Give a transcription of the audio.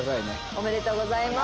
おめでとうございます。